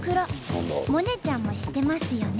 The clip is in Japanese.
萌音ちゃんも知ってますよね？